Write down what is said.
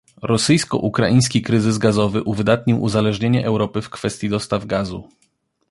Rosyjsko-ukraiński kryzys gazowy uwydatnił uzależnienie Europy w kwestii dostaw gazu